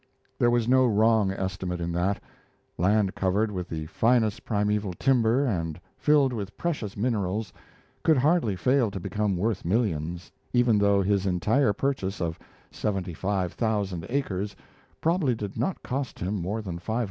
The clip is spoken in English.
There was no wrong estimate in that. Land covered with the finest primeval timber, and filled with precious minerals, could hardly fail to become worth millions, even though his entire purchase of 75,000 acres probably did not cost him more than $500.